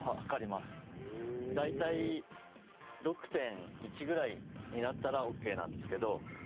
大体６．１ぐらいになったらオッケーなんですけど。